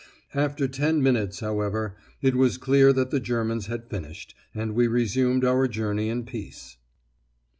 After ten minutes, however, it was clear that the Germans had finished, and we resumed our journey in peace.